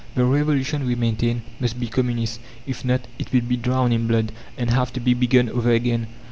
The Revolution, we maintain, must be communist; if not, it will be drowned in blood, and have to be begun over again.